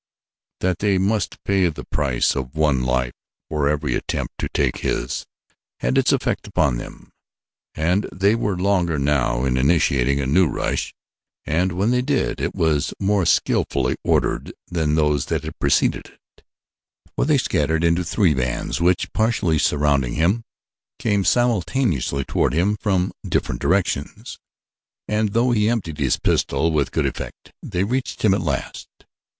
That they must pay the price of one life for every attempt to take his had its effect upon them and they were longer now in initiating a new rush and when they did so it was more skillfully ordered than those that had preceded it, for they scattered into three bands which, partially surrounding him, came simultaneously toward him from different directions, and though he emptied his pistol with good effect, they reached him at last.